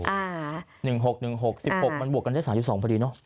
อ่าหนึ่งหกหนึ่งหกสิบปรับมันบวกกันได้สามสิบสองพอดีเนาะ